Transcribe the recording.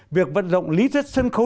việc vận rộng lý thức sân khấu